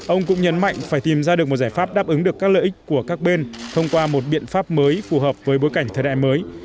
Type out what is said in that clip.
ông cũng nhấn mạnh phải tìm ra được một giải pháp đáp ứng được các lợi ích của các bên thông qua một biện pháp mới phù hợp với bối cảnh thời đại mới